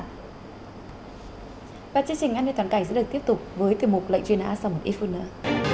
và chương trình an ninh toàn cảnh sẽ được tiếp tục với tiềm mục lệnh truy nã sau một ít phút nữa